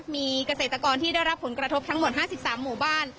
มีเกษตรกรที่ได้รับผลกระทบทั้งหมด๕๓หมู่บ้าน